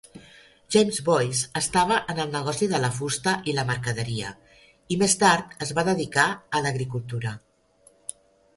James Boyce estava en el negoci de la fusta i la mercaderia, i més tard es va dedicar a l'agricultura.